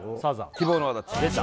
「希望の轍」